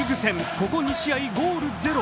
ここ２試合ゴールゼロ。